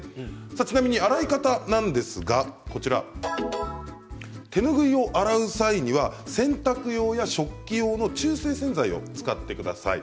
ちなみに洗い方ですが手ぬぐいを洗う際には洗濯用や食器用の中性洗剤を使ってください。